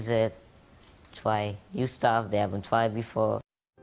saya mencoba hal hal baru yang belum pernah dilakukan